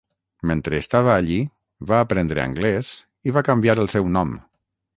Mentre estava allí, va aprendre anglès i va canviar el seu nom.